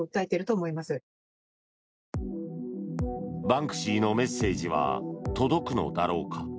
バンクシーのメッセージは届くのだろうか。